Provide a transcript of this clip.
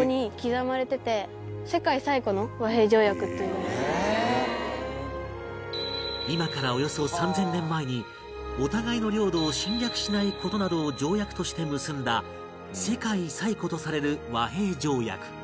これは今からおよそ３０００年前にお互いの領土を侵略しない事などを条約として結んだ世界最古とされる和平条約